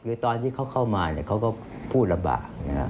คือตอนที่เขาเข้ามาเนี่ยเขาก็พูดระบาก